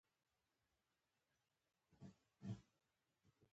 کوتره خلک نږدې کوي.